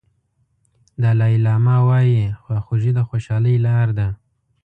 دالای لاما وایي خواخوږي د خوشالۍ لار ده.